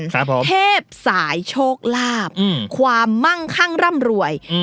ครับผมเทพสายโชคลาภอืมความมั่งคั่งร่ำรวยอืม